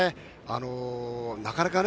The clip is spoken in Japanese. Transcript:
なかなかね。